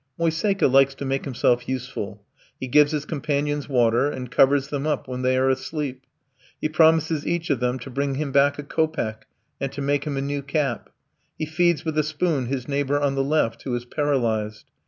Moiseika likes to make himself useful. He gives his companions water, and covers them up when they are asleep; he promises each of them to bring him back a kopeck, and to make him a new cap; he feeds with a spoon his neighbour on the left, who is paralyzed.